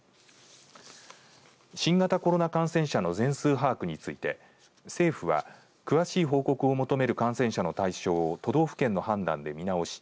新型コロナ感染者の全数把握について政府は、詳しい報告を求める感染者の対象を都道府県の判断で見直し